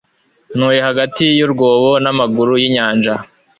Ntuye hagati y'urwobo n'amaguru y'inyanja